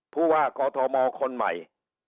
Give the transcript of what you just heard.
ผู้ว่ากอทมคนใหม่